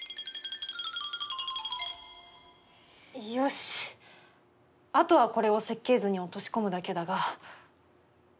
よしあとはこれを設計図に落とし込むだけだが。